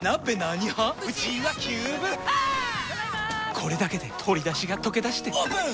これだけで鶏だしがとけだしてオープン！